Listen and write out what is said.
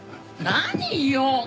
何よ！